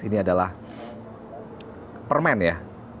ini adalah permen ya